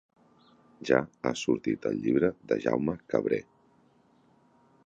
Ja ha sortit el llibre de Jaume Cabré.